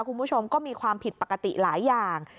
คุณผู้ชมก็มีความผิดปกติหลายอย่าง